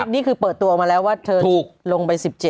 นี่คือเปิดตัวออกมาแล้วว่าเธอถูกลงไป๑๗